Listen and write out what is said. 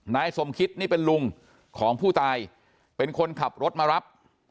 นายสมคิตนี่เป็นลุงของผู้ตายเป็นคนขับรถมารับ